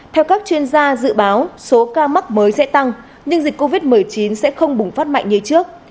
theo các chuyên gia dự báo số ca mắc mới sẽ tăng nhưng dịch covid một mươi chín sẽ không bùng phát mạnh như trước